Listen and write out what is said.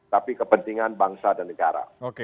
tapi kepentingan bangsa dan negara